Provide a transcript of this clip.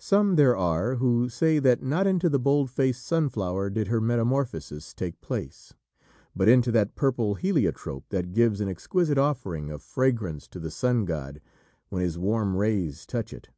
Some there are who say that not into the bold faced sunflower did her metamorphosis take place, but into that purple heliotrope that gives an exquisite offering of fragrance to the sun god when his warm rays touch it.